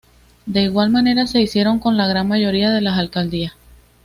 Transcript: De igual manera se hicieron con la gran mayoría de las alcaldías.